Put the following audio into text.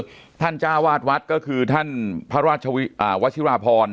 ผู้ช่วยจ้าวาดวัดก็คือท่านพระวาดวัฒิราพร